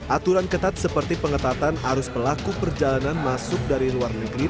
aturan ketat seperti pengetatan arus pelaku perjalanan masuk dari luar negeri